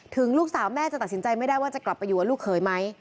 ลูกสาวแม่จะตัดสินใจไม่ได้ว่าจะกลับไปอยู่กับลูกเขยไหม